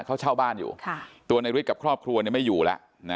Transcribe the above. เขาเช่าบ้านอยู่ตัวนายฤทธิ์กับครอบครัวไม่อยู่แล้ว